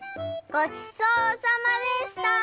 ごちそうさまでした！